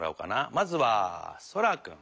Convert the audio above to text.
まずはそらくん。